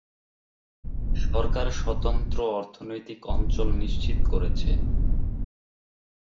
সরকার স্বতন্ত্র অর্থনৈতিক অঞ্চল নিশ্চিত করেছে।